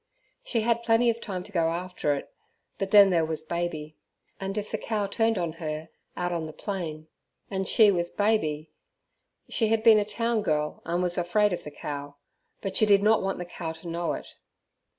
She had plenty of time to go after it, but then there was baby; and if the cow turned on her out on the plain, and she with baby she had been a town girl and was afraid of the cow, but she did not want the cow to know it.